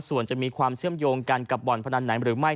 ส่วนจะมีความเชื่อมโยงกันกับบ่อนพนันไหนหรือไม่